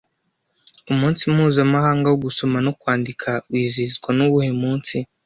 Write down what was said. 'Umunsi mpuzamahanga wo gusoma no kwandika' wizihizwa nuwuhe munsi